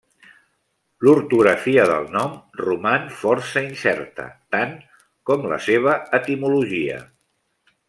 L'ortografia del nom roman força incerta, tant com la seva etimologia.